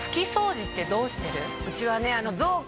うちはね。